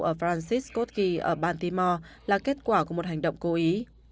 ở francis scott key ở baltimore là kết quả của một hành động cố ý